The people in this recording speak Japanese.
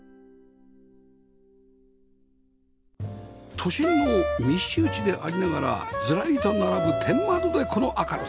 都心の密集地でありながらずらりと並ぶ天窓でこの明るさ！